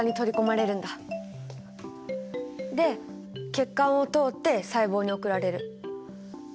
で血管を通って細胞に送られる。